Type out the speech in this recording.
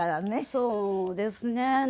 そうですね。